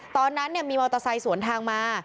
ตอนนั้นมีมอเตอร์ไซค์สวนทางมา